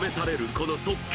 この即興